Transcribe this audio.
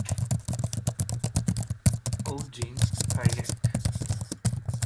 Oh Jin-hyek